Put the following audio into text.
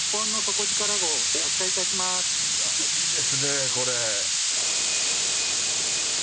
いやいいですねこれ。